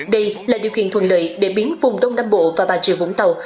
đây là điều kiện thuận lợi để biến vùng đông nam bộ và bà rịa vũng tàu